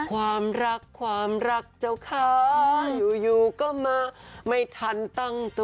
ความรักความรักเจ้าค้าอยู่ก็มาไม่ทันตั้งตัว